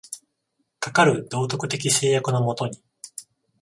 かかる道徳的制約の下に、